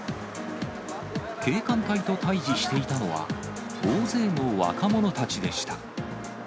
警官隊と対じしていたのは、大勢の若者たちでした。